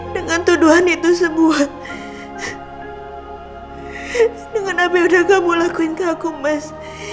dengan apa yang udah kamu lakuin ke aku mas